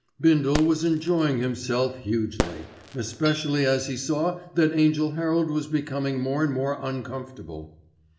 Bindle was enjoying himself hugely, especially as he saw that Angell Herald was becoming more and more uncomfortable.